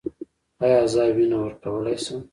ایا زه وینه ورکولی شم؟